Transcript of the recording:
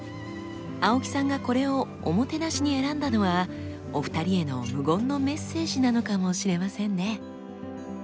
青木さんがこれをおもてなしに選んだのはお二人への無言のメッセージなのかもしれませんね。